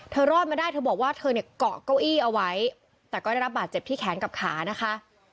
รอดมาได้เธอบอกว่าเธอเนี่ยเกาะเก้าอี้เอาไว้แต่ก็ได้รับบาดเจ็บที่แขนกับขานะคะ